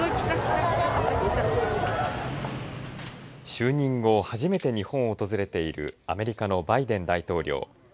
就任後、初めて日本を訪れているアメリカのバイデン大統領。